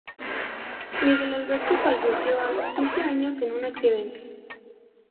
Miguel Alberto falleció a los quince años en un accidente.